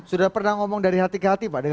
sudah pernah ngomong dari hati ke hati pak